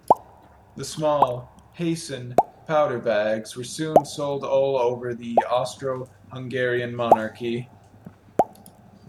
The small "Hasin" powder bags soon were sold all over the Austro-Hungarian Monarchy.